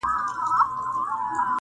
مثبت فکر انسان ته ځواک وربخښي.